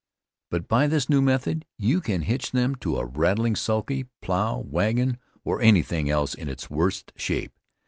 But by this new method you can hitch them to a rattling sulky, plow, wagon, or anything else in its worst shape.